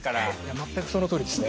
全くそのとおりですね。